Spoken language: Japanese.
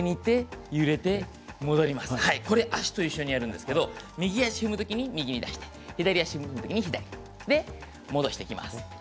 足と一緒にやるんですけど右足を踏むときに右に出して左足のときに左に出す、戻していきます。